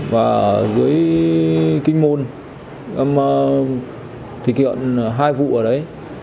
và dưới kinh môn em thực hiện hai vụ ở đấy